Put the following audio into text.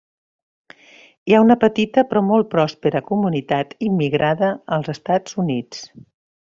Hi ha una petita però molt pròspera comunitat immigrada als Estats Units.